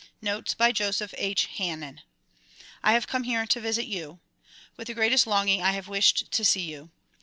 Notes by Joseph H. Hannen I HAVE come here to visit you. With the greatest longing I have wished to see you.